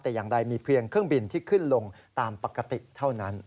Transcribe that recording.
แต่อย่างใดมีเพียงเครื่องบินที่ขึ้นลงตามปกติเท่านั้น